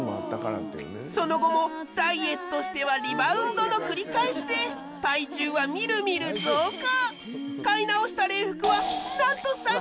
その後もダイエットしてはリバウンドの繰り返しで体重はみるみる増加。